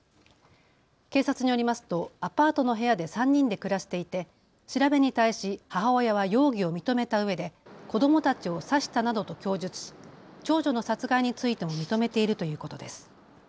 警察によりますとアパートの部屋で３人で暮らしていて調べに対し母親は容疑を認めたうえで子どもたちを刺したなどと供述し長女の殺害についても認めているということです。